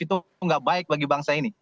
itu tidak baik bagi bangsa ini